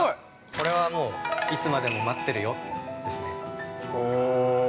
これはもういつまでも待ってるよ、ですね。